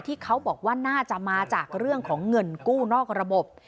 เขาบอกว่าน่าจะมาจากเรื่องของเงินกู้นอกระบบ